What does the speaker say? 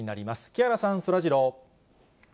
木原さん、そらジロー。